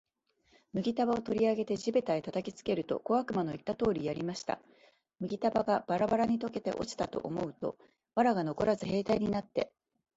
麦束を取り上げて地べたへ叩きつけると、小悪魔の言った通りやりました。麦束がバラバラに解けて落ちたかと思うと、藁がのこらず兵隊になって、